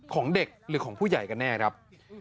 ของเด็กหรือของผู้ใหญ่กันแน่ครับ